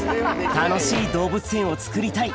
楽しい動物園をつくりたい